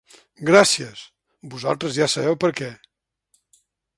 Gràcies, vosaltres ja sabeu per què.